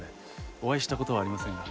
お会いした事はありませんが。